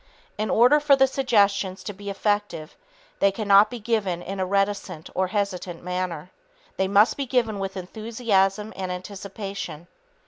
In order for the suggestions to be effective, they cannot be given in a reticent or hesitant manner. They must be given with enthusiasm and anticipation.